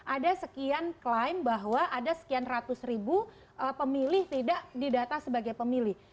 ada sekian klaim bahwa ada sekian ratus ribu pemilih tidak didata sebagai pemilih